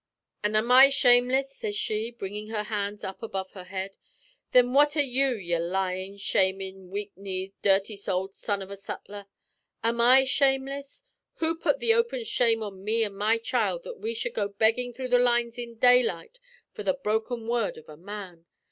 "'An' am I shameless,' sez she, bringin' her hands up above her head. 'Thin what are you, ye lyin', schamin', weak kneed, dhirty souled son of a sutler? Am I shameless? Who put the open shame on me an' my child that we shud go beggin' though the lines in daylight for the broken word of a man?